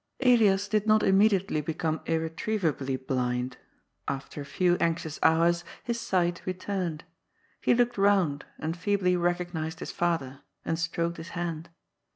Elias did not immediately become irretrievably blind. After a few anxious hours his sight returned. He looked round and feebly recognized his father, and stroked his hand.